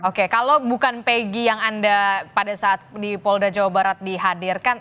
oke kalau bukan pegi yang anda pada saat di polda jawa barat dihadirkan